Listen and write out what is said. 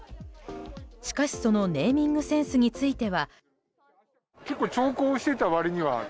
しかし、そのネーミングセンスについては。